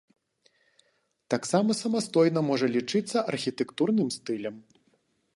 Таксама самастойна можа лічыцца архітэктурным стылем.